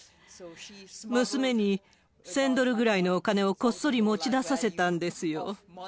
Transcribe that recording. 娘に１０００ドルぐらいのお金をこっそり持ち出させたんですよ。